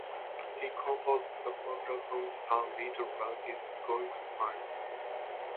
He composed the popular song Some Little Bug is Going to Find You.